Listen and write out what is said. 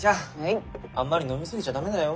あんまり飲みすぎちゃダメだよ。